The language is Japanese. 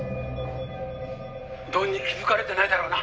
「ドンに気づかれてないだろうな？」